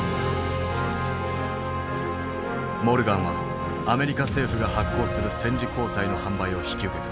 モルガンはアメリカ政府が発行する戦時公債の販売を引き受けた。